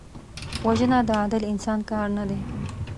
وژنه د عادل انسان کار نه دی